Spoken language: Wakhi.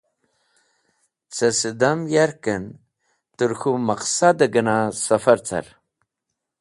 Cẽ sidam yarkẽn t̃er k̃hũ maqsadẽ gẽna sẽfar car.